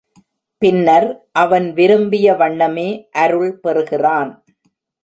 பின்னர் அவன் விரும்பிய வண்ணமே அருள் பெறுகிறான்.